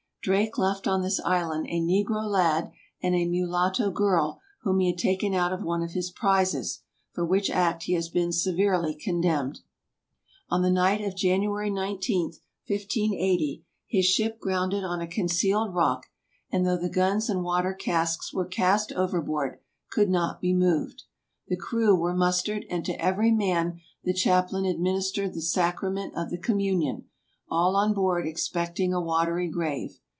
Drake left on this island a negro lad and a mulatto girl whom he had taken out of one of his prizes, for which act he has been severely condemned. On the night of January 19, 1580, his ship grounded on a concealed rock, and though the guns and water casks were cast overboard could not be moved. The crew were mus tered, and to every man the chaplain administered the sacra ment of the communion, all on board expecting a watery grave.